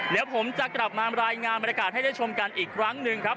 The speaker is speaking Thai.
เดี๋ยวผมจะกลับมารายงานบรรยากาศให้ได้ชมกันอีกครั้งหนึ่งครับ